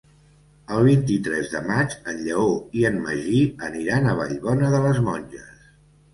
El vint-i-tres de maig en Lleó i en Magí aniran a Vallbona de les Monges.